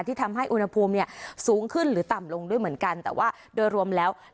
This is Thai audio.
ทำให้อุณหภูมิเนี่ยสูงขึ้นหรือต่ำลงด้วยเหมือนกันแต่ว่าโดยรวมแล้ว